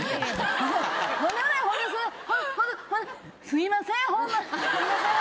すいませーん。